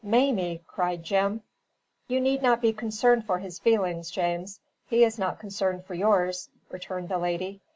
"Mamie!" cried Jim. "You need not be concerned for his feelings, James; he is not concerned for yours," returned the lady.